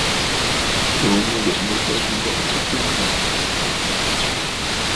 Tsuu mɨlɔ̀ʼɔ̀ mɨ bə̂ bîmɔʼɔ kɨ twitə̂.